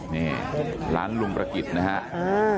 นี่ร้านลุงประกิจนะครับ